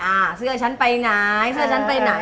อ่าเสื้อฉันไปไหนเสื้อฉันไปไหน